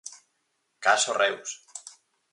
Caso Reus.